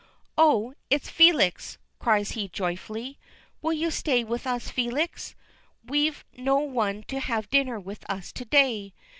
"Oh! it's Felix!" cries he joyfully. "Will you stay with us, Felix? We've no one to have dinner with us to day.